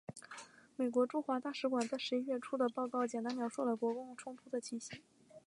美国驻华大使馆在十一月初的报告简单描述了国共冲突的情形。